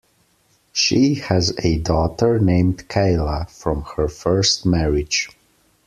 She has a daughter named Kayla from her first marriage.